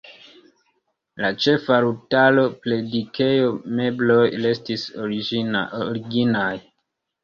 La ĉefaltaro, predikejo, mebloj restis originaj.